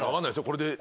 これで。